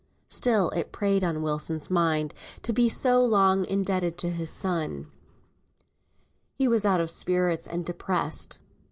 Still it preyed on Wilson's mind to be so long indebted to his son. He was out of spirits and depressed.